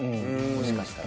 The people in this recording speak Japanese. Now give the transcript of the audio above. もしかしたら。